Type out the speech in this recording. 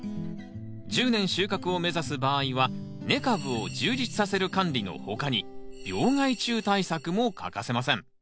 １０年収穫を目指す場合は根株を充実させる管理の他に病害虫対策も欠かせません。